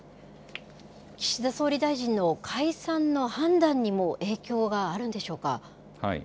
岸田総理大臣の解散の判断にも影響があるんでしょうか。